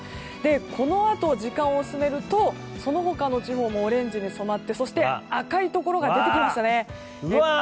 このあと時間を進めるとその他の地方もオレンジに染まってそして赤いところが出てきましたね。